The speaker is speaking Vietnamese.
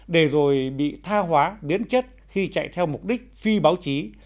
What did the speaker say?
để rồi bị tha hóa biến chất khi chạy theo mục đích phi báo chí